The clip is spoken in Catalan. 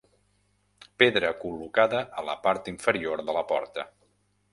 Pedra col·locada a la part inferior de la porta.